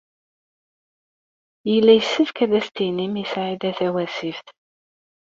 Yella yessefk ad as-tinim i Saɛida Tawasift.